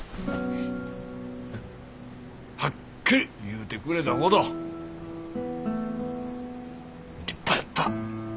はっきり言うてくれたこと立派やった。